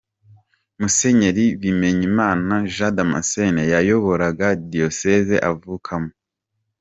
Musenyeli Bimenyimana Jean Damascène yayoboraga Diyosezi avukamo.